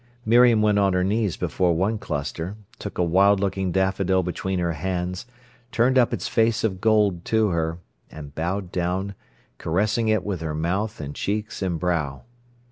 Miriam went on her knees before one cluster, took a wild looking daffodil between her hands, turned up its face of gold to her, and bowed down, caressing it with her mouth and cheeks and brow.